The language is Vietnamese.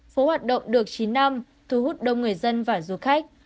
phố hoạt động được chín năm thu hút đông người dân và du khách